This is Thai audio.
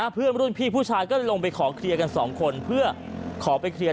เพื่อนรุ่นพี่ผู้ชายก็เลยลงไปขอเคลียร์กันสองคนเพื่อขอไปเคลียร์